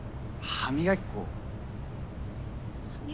歯磨き粉？